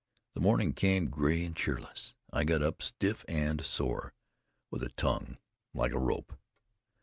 The morning came gray and cheerless. I got up stiff and sore, with a tongue like a rope.